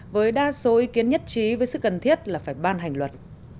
với đa số ý kiến nhất trí với sự cần thiết là phải ban hành luật